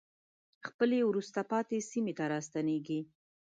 خپلې وروسته پاتې سیمې ته راستنېږي.